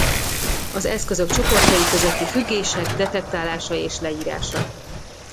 Az eszközök csoportjai közötti függések detektálása és leírása.